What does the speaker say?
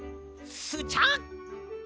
スチャッ！